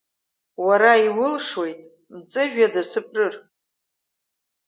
Уара иулшоит мҵәыжәҩада сыԥрыр.